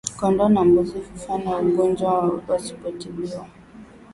Kondoo na mbuzi hufa na ugonjwa kama wasipotibiwa